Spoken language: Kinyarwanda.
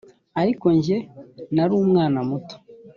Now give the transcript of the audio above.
ariko jye nari umwana muto .